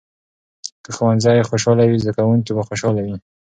که ښوونځي خوشال وي، زده کوونکي به خوشحاله وي.